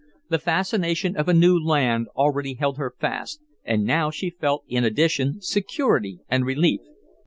The fascination of a new land already held her fast, and now she felt, in addition, security and relief.